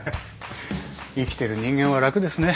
生きてる人間は楽ですね。